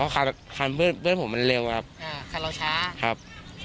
ขับรถไล่ไปไกลมั้ยครับ